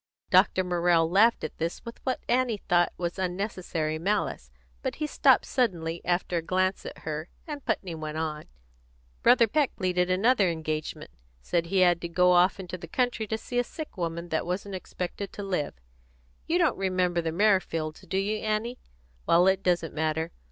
Dr. Morrell laughed at this with what Annie thought was unnecessary malice; but he stopped suddenly, after a glance at her, and Putney went on "Brother Peck pleaded another engagement. Said he had to go off into the country to see a sick woman that wasn't expected to live. You don't remember the Merrifields, do you, Annie? Well, it doesn't matter.